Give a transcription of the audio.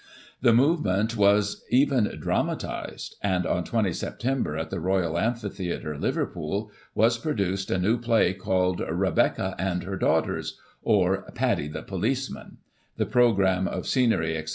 The movement was even dramatised, and on 20 Sep., at the Royal Amphitheatre, Liverpool, was produced a new play, called: " Rebecca and her Daughters; or, Paddy the Policeman "; the programme of scenery etc.